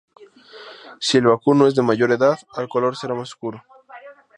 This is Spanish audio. Si el vacuno es de mayor edad, el color será más oscuro.